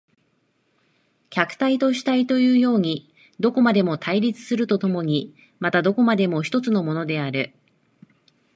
客体と主体というようにどこまでも対立すると共にまたどこまでも一つのものである。